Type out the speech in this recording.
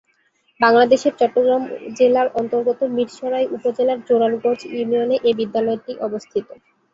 বাংলাদেশের চট্টগ্রাম জেলার অন্তর্গত মীরসরাই উপজেলার জোরারগঞ্জ ইউনিয়নে এ বিদ্যালয়টি অবস্থিত।